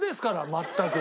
全く。